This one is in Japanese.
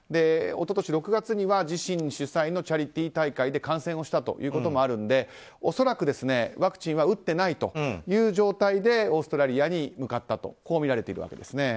一昨年６月には自身主催のチャリティー大会で感染をしたこともあるので恐らく、ワクチンは打っていないという状態でオーストラリアに向かったとみられているわけです。